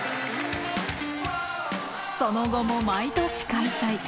その後も毎年開催。